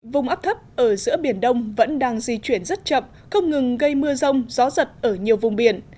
vùng áp thấp ở giữa biển đông vẫn đang di chuyển rất chậm không ngừng gây mưa rông gió giật ở nhiều vùng biển